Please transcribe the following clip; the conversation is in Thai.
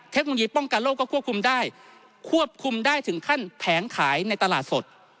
เทคโนโลยีป้องกันโลกก็ควบคุมได้ควบคุมได้ถึงขั้นแผงขายในตลาดสด